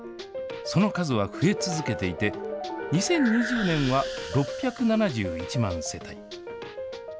その数は増え続けていて、２０２０年は６７１万世帯。